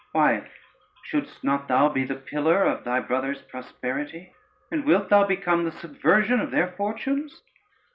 why, shouldst not thou be the pillar of thy brothers' prosperity? and wilt thou become the subversion of their fortunes?